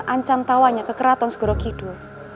ancam tawanya ke keraton segoro kidul